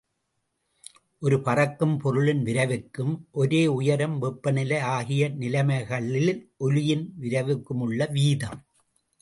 ஒரு பறக்கும் பொருளின் விரைவுக்கும் ஒரே உயரம் வெப்பநிலை ஆகிய நிலைமைகளில் ஒலியின் விரைவுக்குமுள்ள வீதம்.